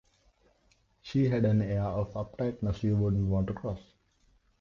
She had an air of uptightness you wouldn't want to cross.